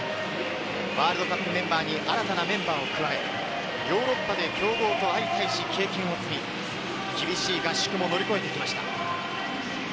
ワールドカップメンバーに新たなメンバーを加え、ヨーロッパで強豪と相対し経験を積み、厳しい合宿も乗り越えてきました。